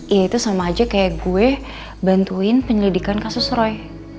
ya itu sama aja kayak gue bantuin penyelidikan kasus roy